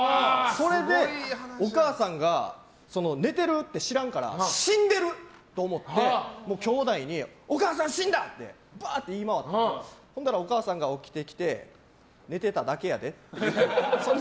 それでお母さんが寝てるって知らんから死んでると思って、きょうだいにお母さん死んだって言い回ってほんだらお母さんが起きてきて寝てただけやでって。